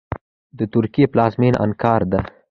د ترکیې پلازمېنه انکارا ده .